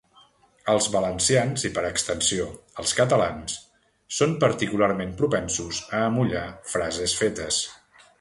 Els valencians i, per extensió, els catalans, són particularment propensos a amollar frases fetes.